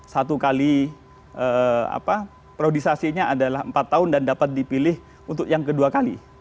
satu kali priorisasinya adalah empat tahun dan dapat dipilih untuk yang kedua kali